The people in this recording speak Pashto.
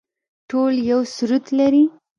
ټول یو سرود لري